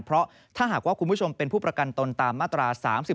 เพราะถ้าหากว่าคุณผู้ชมเป็นผู้ประกันตนตามมาตรา๓๔